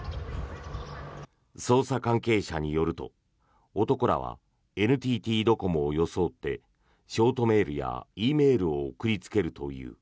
捜査関係者によると男らはＮＴＴドコモを装ってショートメールやＥメールを送りつけるという。